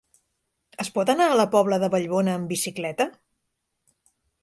Es pot anar a la Pobla de Vallbona amb bicicleta?